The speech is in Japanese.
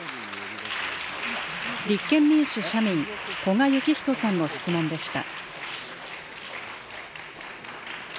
立憲民主・社民、古賀之士さんの質問でした。